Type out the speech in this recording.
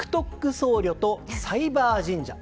僧侶とサイバー神社。